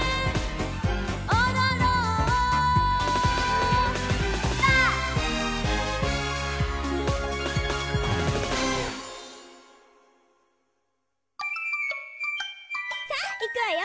「おどろんぱ！」さあいくわよ。